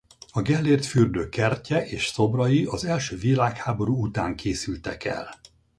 A Gellért fürdő kertje és szobrai az első világháború után készültek el.